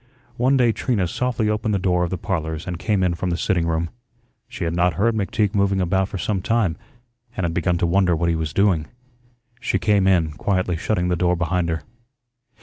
One day Trina softly opened the door of the "Parlors" and came in from the sitting room. She had not heard McTeague moving about for some time and had begun to wonder what he was doing. She came in, quietly shutting the door behind her.